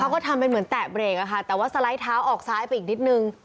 ก็เป็นเหมือนแตะเบรกอะค่ะแต่ว่าสไลด์เท้าออกซ้ายไปอีกนิดนึง